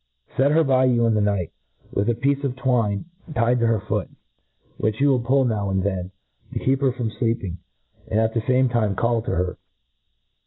Set her by you ia the pight, with a piece of twine tied to her foot, which you will pull now and' then, to keep her from fleeping ; and. :at the fame time <:all to her.